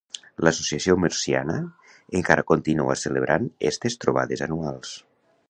L'Associació Murciana encara continua celebrant estes trobades anuals.